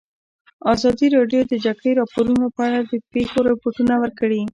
ازادي راډیو د د جګړې راپورونه په اړه د پېښو رپوټونه ورکړي.